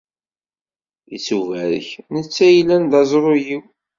Ittubarek, netta yellan d aẓru-iw!